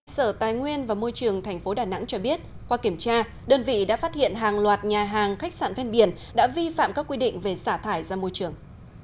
sở tài nguyên và môi trường tp đà nẵng cho biết qua kiểm tra đơn vị đã phát hiện hàng loạt nhà hàng khách sạn ven biển đã vi phạm các quy định về xả thải ra môi trường